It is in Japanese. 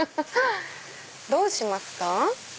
どうしますか？